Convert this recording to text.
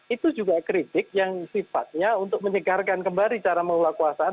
itu juga kritik yang sifatnya untuk menyegarkan kembali cara mengelola kekuasaan